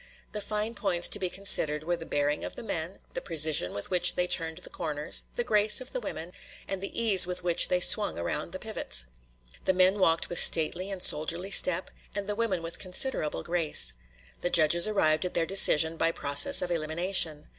The fine points to be considered were the bearing of the men, the precision with which they turned the corners, the grace of the women, and the ease with which they swung around the pivots. The men walked with stately and soldierly step, and the women with considerable grace. The judges arrived at their decision by a process of elimination.